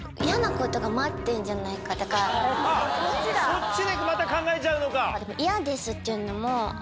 そっちでまた考えちゃうのか。